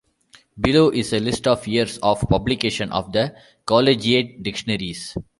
Below is a list of years of publication of the Collegiate dictionaries.